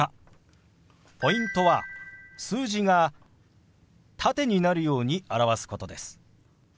ポイントは数字が縦になるように表すことです。